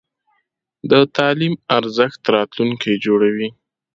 د تعلیم ارزښت د راتلونکي جوړوي.